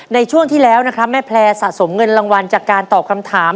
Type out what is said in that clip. ในช่วงที่แล้วนะครับแม่แพร่สะสมเงินรางวัลจากการตอบคำถาม